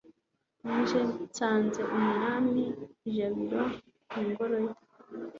r/ jye nsanze umwami i jabiro, mu ngoro ye ni